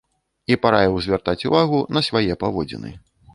І параіў звяртаць увагу на свае паводзіны.